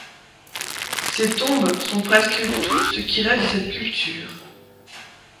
Ces tombes sont presque tout ce qui reste de cette culture.